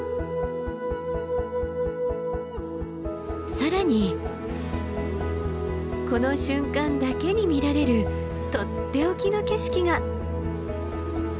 更にこの瞬間だけに見られるとっておきの景色が。